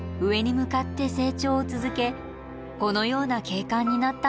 このような景観になったのだとか。